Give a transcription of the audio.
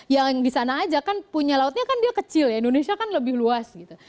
yang di sana aja kan punya lautnya kan dia kecil ya indonesia kan lebih luas gitu